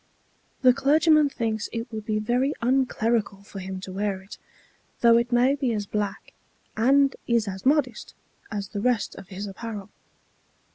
The clergyman thinks it would be very unclerical for him to wear it, though it may be as black, and is as modest, as the rest of his apparel.